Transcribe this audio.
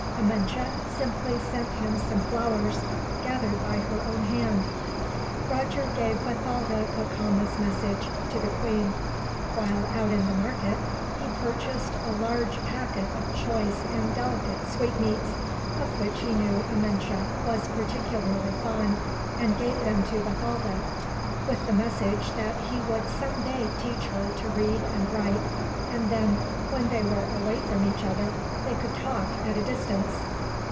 Amenche simply sent him some flowers, gathered by her own hand. Roger gave Bathalda Cacama's message to the queen. While out in the market, he purchased a large packet of choice and delicate sweetmeats, of which he knew Amenche was particularly fond, and gave them to Bathalda; with the message that he would someday teach her to read and write, and then, when they were away from each other, they could talk at a distance.